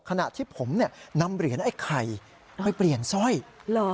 ขณะที่ผมเนี่ยนำเหรียญไอ้ไข่ไปเปลี่ยนสร้อยเหรอ